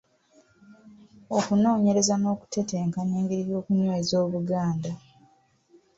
Okunoonyereza n'okuteteenkanya engeri y'okunyweza Obuganda.